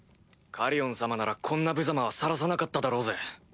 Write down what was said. カリオン様ならこんなぶざまはさらさなかっただろうぜ。